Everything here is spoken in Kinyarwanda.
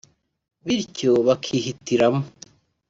bityo bakihitiramo